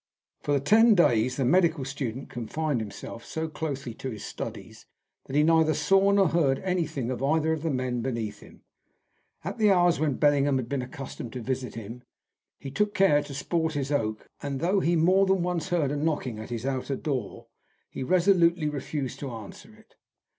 For ten days the medical student confined himself so closely to his studies that he neither saw nor heard anything of either of the men beneath him. At the hours when Bellingham had been accustomed to visit him, he took care to sport his oak, and though he more than once heard a knocking at his outer door, he resolutely refused to answer it.